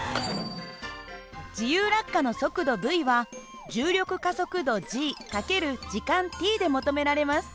自由落下の速度υは重力加速度×時間ｔで求められます。